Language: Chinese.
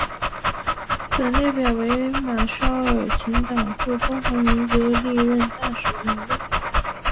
本列表为马绍尔群岛驻中华民国历任大使名录。